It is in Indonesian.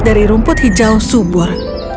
dari rumput hijau subur